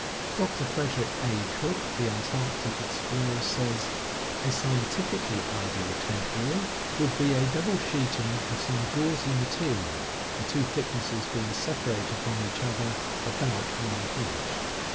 Dr. Frederick A. Cook, the antarctic explorer, says: "A scientifically ideal tent wall would be a double sheeting of some gauzy material, the two thicknesses being separated from each other about one inch.